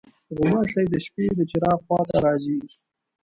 غوماشې د شپې د چراغ خوا ته راځي.